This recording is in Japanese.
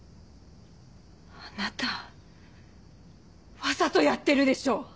あなたわざとやってるでしょ？